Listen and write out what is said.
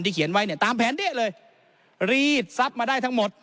ที่เขียนไว้เนี้ยตามแผนเนี้ยเลยรีดสับมาได้ทั้งหมด